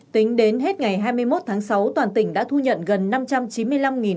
tính đến hết ngày hai mươi một tháng sáu toàn tỉnh đã thu nhận gần năm trăm chín mươi năm